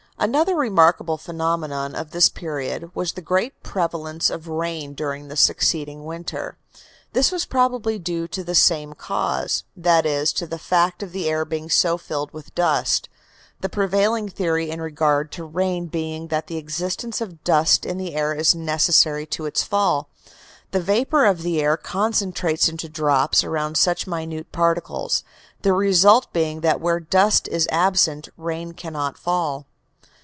Another remarkable phenomenon of this period was the great prevalence of rain during the succeeding winter. This probably was due to the same cause; that is, to the fact of the air being so filled with dust; the prevailing theory in regard to rain being that the existence of dust in the air is necessary to its fall. The vapor of the air concentrates into drops around such minute particles, the result being that where dust is absent rain cannot fall.